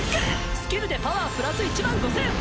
スキルでパワープラス１５０００！